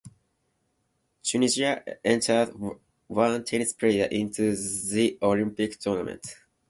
Tunisia entered one tennis player into the Olympic tournament.